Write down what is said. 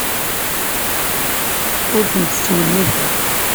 Ur tent-ttwenniteɣ.